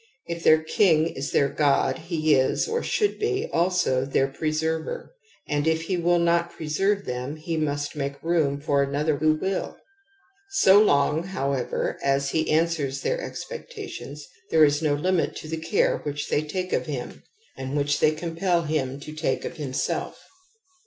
If.^heirkin^ their godhejs, jrjhoiddbejalsoj^ anHTf he will LOt pres erve t:h^m he must make roo^ for anotliCT' ^hQ^m^ So long, however, as he answers their expectations, there is no limit to the care which they take of him, and which they compel him to take of himself.